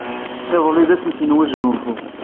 Iḍelli d ass-nsen n wesgunfu.